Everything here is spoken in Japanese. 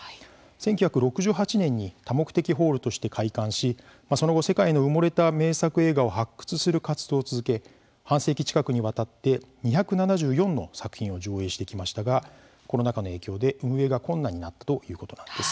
１９６８年に多目的ホールとして開館し、その後世界の埋もれた名作映画を発掘する活動を続け半世紀近くにわたって２７４の作品を上映してきましたがコロナ禍の影響で運営が困難になったということなんです。